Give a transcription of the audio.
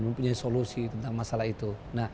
mempunyai solusi tentang masalah itu